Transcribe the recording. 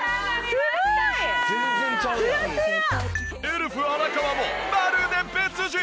エルフ荒川もまるで別人！